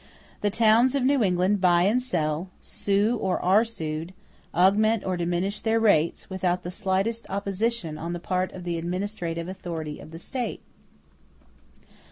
The towns of New England buy and sell, sue or are sued, augment or diminish their rates, without the slightest opposition on the part of the administrative authority of the State.